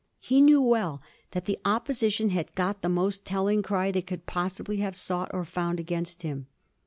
He knew well that the Opposition had got the most telling cry they could possibly have sought or found against him.